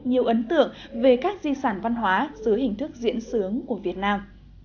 nhiều ấn tượng về các di sản văn hóa dưới hình thức diễn sướng của việt nam